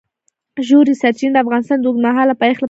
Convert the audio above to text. ژورې سرچینې د افغانستان د اوږدمهاله پایښت لپاره مهم رول لري.